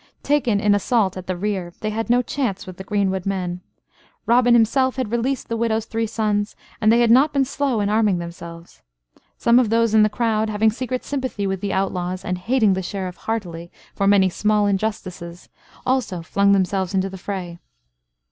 Taken in assault at the rear, they had no chance with the greenwood men. Robin himself had released the widow's three sons, and they had not been slow in arming themselves. Some of those in the crowd, having secret sympathy with the outlaws and hating the Sheriff heartily for many small injustices, also flung themselves into the fray.